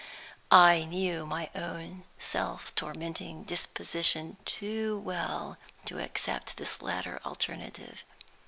I knew my own self tormenting disposition too well to accept this latter alternative.